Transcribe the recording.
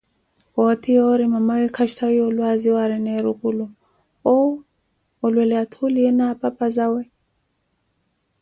Pooti yoori mamaa awe kastawiye olwaaziwa aarina erukulu, owu olwele athuliyeeyo na apapa zawe.